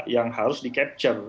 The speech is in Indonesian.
yang harus di capture